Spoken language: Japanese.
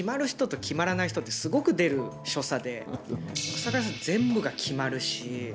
草刈さん、全部が決まるし。